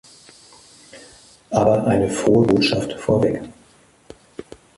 Aber eine frohe Botschaft vorweg.